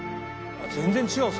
全然違う。